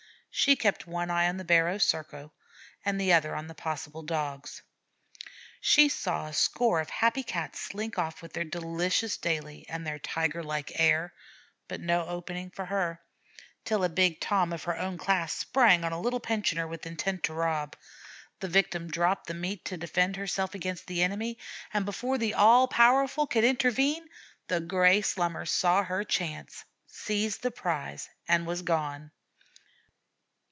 She kept one eye on the barrow circle and the other on the possible Dogs. She saw a score of happy Cats slink off with their delicious 'daily' and their tiger like air, but no opening for her, till a big Tom of her own class sprang on a little pensioner with intent to rob. The victim dropped the meat to defend herself against the enemy, and before the 'all powerful' could intervene, the gray Slummer saw her chance, seized the prize, and was gone.